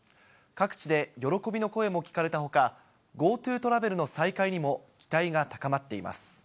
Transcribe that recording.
各地で喜びの声も聞かれたほか、ＧｏＴｏトラベルの再開にも、期待が高まっています。